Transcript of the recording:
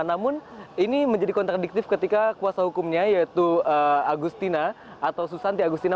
namun ini menjadi kontradiktif ketika kuasa hukumnya yaitu agustina atau susanti agustina